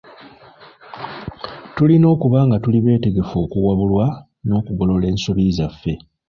Tulina okuba nga tuli beetegefu okuwabulwa, n'okugolola ensobi zaffe.